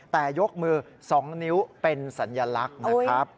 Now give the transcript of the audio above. แต่ยกมือ๒นิ้วเป็นสัญลักษณ์นะครับ